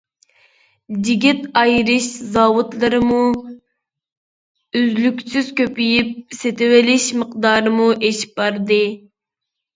چىگىت ئايرىش زاۋۇتلىرىمۇ ئۈزلۈكسىز كۆپىيىپ، سېتىۋېلىش مىقدارىمۇ ئېشىپ باردى.